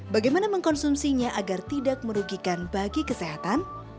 bagaimana mengkonsumsinya agar tidak merugikan bagi kesehatan